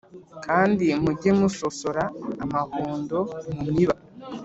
Kandi mujye musosora amahundo mu miba